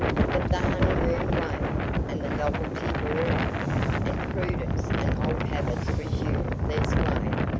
But the honeymoon waned, and the novelty wore off, and prudence and old habits resumed their sway.